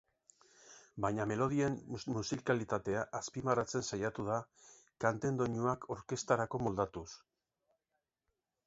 Baina melodien musikalitatea azpimarratzen saiatu da, kanten doinuak orkestrarako moldatuz.